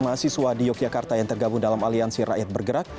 mahasiswa di yogyakarta yang tergabung dalam aliansi rakyat bergerak